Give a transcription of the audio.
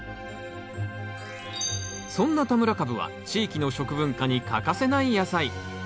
そんな田村かぶは地域の食文化に欠かせない野菜。